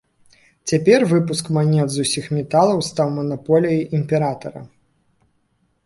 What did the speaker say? Цяпер выпуск манет з усіх металаў стаў манаполіяй імператара.